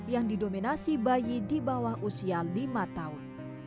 yang didominasi bayi di bawah usia lima tahun